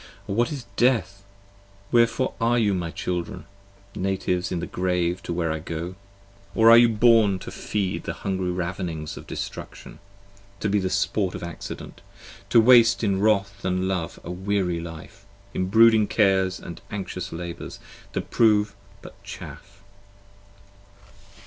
O what is Death? Wherefore Are you my Children, natives in the Grave to where I go? Or are you born to feed the hungry ravenings of Destruction, 15 To be the sport of Accident! to waste in Wrath & Love, a weary Life, in brooding cares & anxious labours, that prove but chaff.